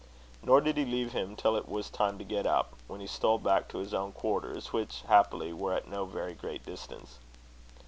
Nor did he leave him till it was time to get up, when he stole back to his own quarters, which, happily, were at no very great distance.